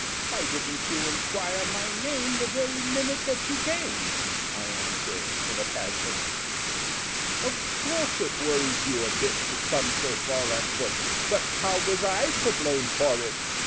Why didn't you enquire my name The very minute that you came?" I answered in a passion. "Of course it worries you a bit To come so far on foot But how was I to blame for it?"